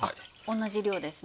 同じ量ですね。